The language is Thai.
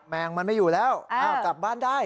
แมงมันไม่อยู่แล้วกลับบ้านได้